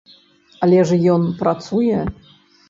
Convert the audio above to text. Але ж ён працуе!